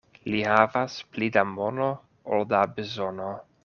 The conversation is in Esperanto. Li havas pli da mono ol da bezono.